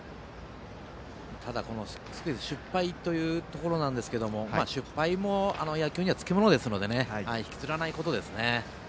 ただ、スクイズ失敗というところですが失敗も野球にはつきものですので引きずらないことですね。